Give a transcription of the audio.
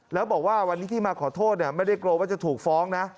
แล้วบอกว่าวันนี้ที่มาขอโทษไม่ได้กลัวว่าจะถูกฟ้องนะ